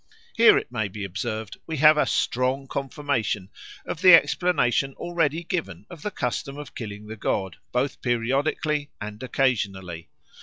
Here, it may be observed, we have a strong confirmation of the explanation already given of the custom of killing the god, both periodically and occasionally.